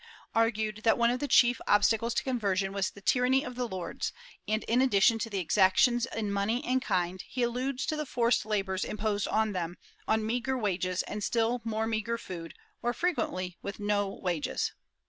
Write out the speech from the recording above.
argued that one of the chief obstacles to conversion was the tyranny of the lords and, in addition to the exactions in money and kind, he alludes to the forced labors im posed on them, on meagre wages and still more meagre food, or frequently with no wages.